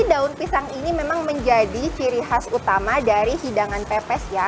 daun pisang ini memang menjadi ciri khas utama dari hidangan pepes ya